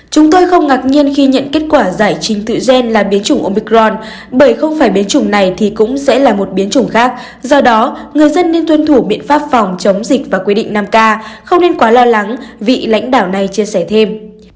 chúng tôi không ngạc nhiên khi nhận kết quả giải trình tự gen là biến chủng omicron bởi không phải biến chủng này thì cũng sẽ là một biến chủng khác do đó người dân nên tuân thủ biện pháp phòng chống dịch và quy định năm k không nên quá lo lắng vị lãnh đạo này chia sẻ thêm